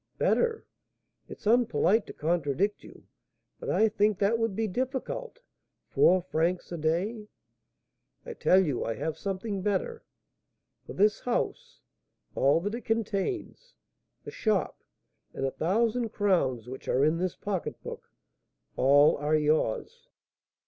"Better! It's unpolite to contradict you, but I think that would be difficult. Four francs a day!" "I tell you I have something better: for this house, all that it contains, the shop, and a thousand crowns which are in this pocketbook, all are yours."